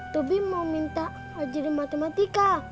tobi mau minta ajarin matematika